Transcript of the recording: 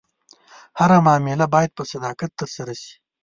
هره معامله باید په صداقت ترسره شي.